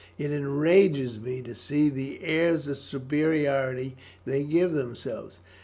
It enrages me to see the airs of superiority they give themselves.